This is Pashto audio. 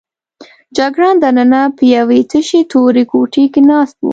جګړن دننه په یوې تشې تورې کوټې کې ناست و.